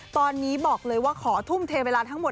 ตอนนี้บอกเลยว่าขอทุ่มเทเวลาทั้งหมด